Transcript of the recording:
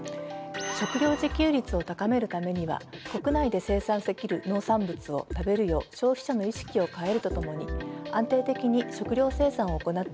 食料自給率を高めるためには国内で生産できる農産物を食べるよう消費者の意識を変えるとともに安定的に食料生産を行っていく必要があります。